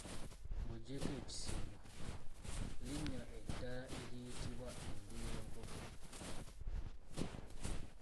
Ng'oggyeko ekisibo, linnya eddala eriyitibwa enju y'enkoko?